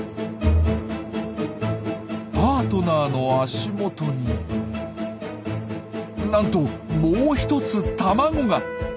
パートナーの足元になんともう１つ卵が！